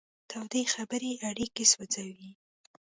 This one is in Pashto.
تودې خبرې اړیکې سوځوي.